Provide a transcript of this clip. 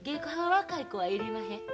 若い子は要りまへん。